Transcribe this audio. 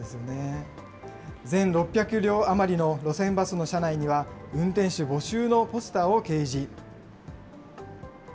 全６００両余りの路線バスの車内には、運転手募集のポスターを掲示。